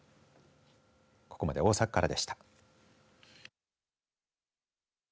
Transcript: ここまで大阪からでした。